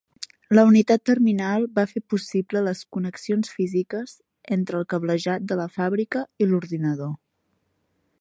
La unitat terminal va fer possible les connexions físiques entre el cablejat de la fàbrica i l'ordinador.